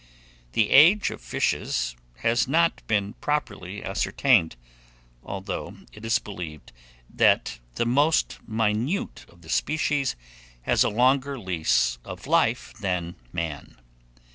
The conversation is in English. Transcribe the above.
The age of fishes has not been properly ascertained, although it is believed that the most minute of the species has a longer lease of life than man.